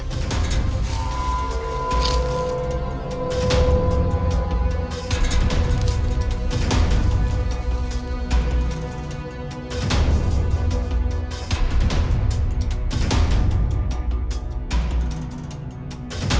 kak aku mau cek dulu ke sana